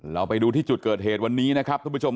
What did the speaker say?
เราไปดูที่จุดเกิดเหตุวันนี้นะครับทุกผู้ชม